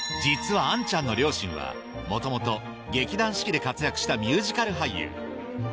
実は杏ちゃんの両親は元々劇団四季で活躍したミュージカル俳優